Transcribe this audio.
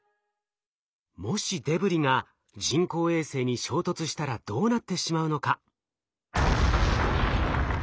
もしデブリが人工衛星に衝突したらどうなってしまうのか。